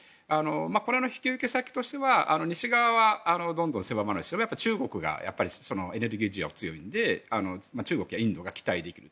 これの引き受け先としては西側はどんどん狭まるし中国がエネルギー需要が強いので中国やインドが期待できる。